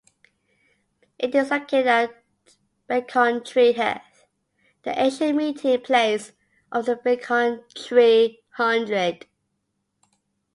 It is located at Becontree Heath, the ancient meeting place of the Becontree hundred.